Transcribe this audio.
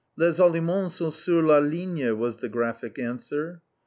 "Les Allemands sont sur la ligne!" was the graphic answer.